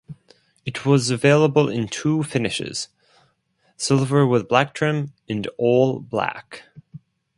It was available in two finishes; silver with black trim and all black.